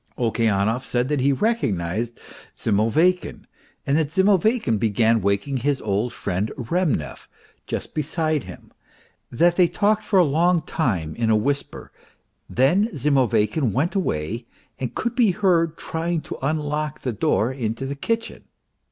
Okeanov said that he recognized Zimoveykin, arid that Zimoveykin began waking his old friend Remnev just beside him, that they talked for a long time in a whisper; then Zimoveykin went away and could be heard trying to unlock the door into the kitchen.